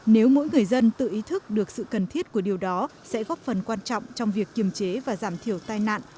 nếu mỗi người dân tự ý thức được sự cần thiết của điều đó sẽ góp phần quan trọng trong việc kiềm chế và giảm thiểu tai nạn